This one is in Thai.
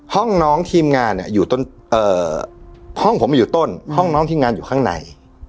ห้องน้องทีมงานเนี่ยอยู่ห้องผมอยู่ต้นห้องน้องทีมงานอยู่ข้างใน